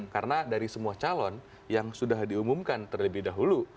karena dari semua calon yang sudah diumumkan terlebih dahulu